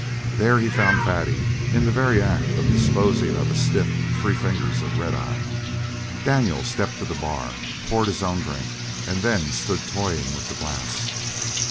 There he found Fatty in the very act of disposing of a stiff three fingers of red eye. Daniels stepped to the bar, poured his own drink, and then stood toying with the glass.